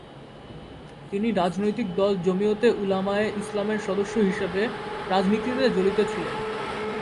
তিনি রাজনৈতিক দল জমিয়তে উলামায়ে ইসলামের সদস্য হিসাবে রাজনীতিতে জড়িত ছিলেন।